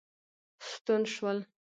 ستون شول.